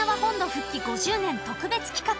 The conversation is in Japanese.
復帰５０年特別企画。